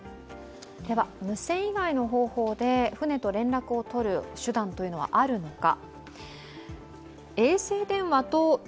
無線以外の方法で船と連絡を取る手段はあるのか。